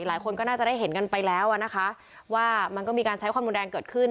หลายคนก็น่าจะได้เห็นกันไปแล้วอ่ะนะคะว่ามันก็มีการใช้ความรุนแรงเกิดขึ้น